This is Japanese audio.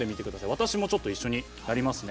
私も一緒にやりますね。